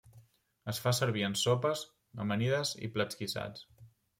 Es fa servir en sopes, amanides i plats guisats.